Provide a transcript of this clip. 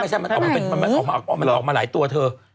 ไม่ใช่มันออกมาหลายตัวเธอ